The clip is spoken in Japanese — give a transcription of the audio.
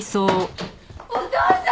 お父さん！